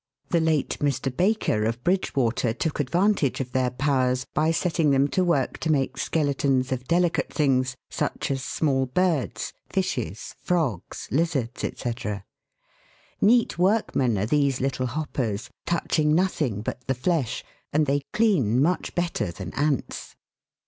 The late Mr. Baker, of Bridgwater, took advantage of their powers by setting them to work to make skeletons of delicate things, such as small birds, fishes, frogs, lizards, &c. Neat workmen are these little hoppers, touching nothing but the flesh, and they clean much better than ants.